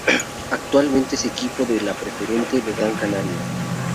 Actualmente es equipo de la Preferente de Gran Canaria.